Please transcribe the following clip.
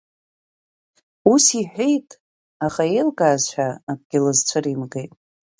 Ус иҳәеит, аха еилкааз ҳәа акгьы лызцәыримгеит.